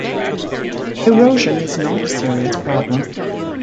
Erosion is not a serious problem.